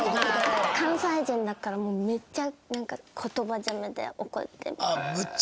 関西人だからもうめっちゃ言葉責めで怒って。